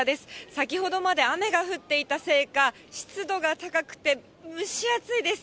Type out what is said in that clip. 先ほどまで雨が降っていたせいか、湿度が高くて蒸し暑いです。